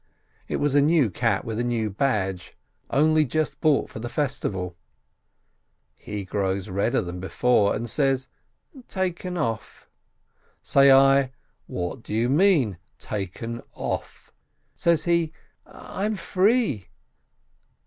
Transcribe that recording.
It was a new cap with a new badge, only just bought for the festival ! He grows redder than before, and says, "Taken off." Say I, "What do you mean by 'taken off'?" Says he, "I am free."